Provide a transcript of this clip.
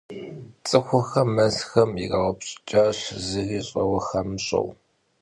Ts'ıxuxem mezxer yirauşşts'ıç'aş, zıri ş'eue xamısejju.